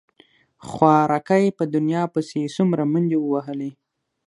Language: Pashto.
خواركى په دنيا پسې يې څومره منډې ووهلې.